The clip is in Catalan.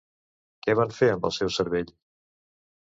Què van fer amb el seu cervell?